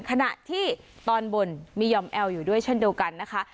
ขณะที่ตอนบนมียอมแอลอยู่ด้วยเช่นเดียวกันนะคะ